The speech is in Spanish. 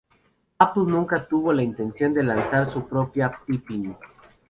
Apple nunca tuvo la intención de lanzar su propia Pippin.